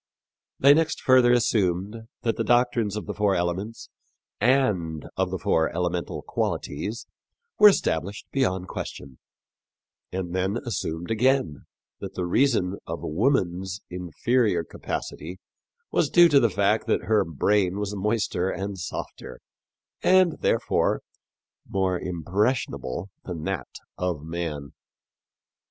They next further assumed that the doctrines of the four elements and of the four elemental qualities were established beyond question, and then assumed again that the reason of woman's inferior capacity was due to the fact that her brain was moister and softer, and, therefore, more impressionable than that of man.